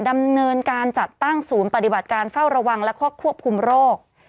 ดำเนินการจัดตั้งศูนย์ปฏิบัติการเฝ้าระวังแล้วก็ควบคุมโรค